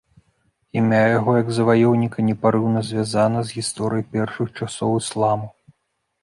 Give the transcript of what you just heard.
Імя яго, як заваёўніка, непарыўна звязана з гісторыяй першых часоў ісламу.